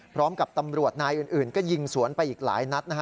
พร้อมกับตำรวจนายอื่นก็ยิงสวนไปอีกหลายนัดนะฮะ